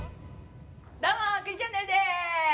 どうも「クニチャンネル」です